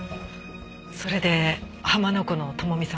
それで浜名湖の朋美さんの元へ？